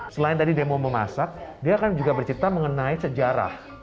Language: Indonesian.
selain tadi dia mau memasak dia akan juga bercerita mengenai sejarah